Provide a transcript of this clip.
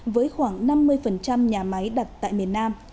với khoảng năm mươi nhà máy đặt tại miền nam